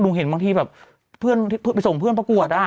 เห็นบางทีแบบเพื่อนไปส่งเพื่อนประกวดอ่ะ